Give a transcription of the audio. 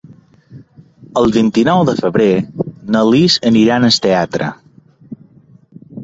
El vint-i-nou de febrer na Lis irà al teatre.